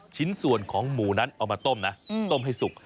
ชิ้นส่วนของหมูนั้นเอามาต้มนะต้มให้สุก